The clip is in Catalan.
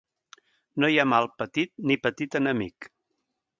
No hi ha mal petit, ni petit enemic.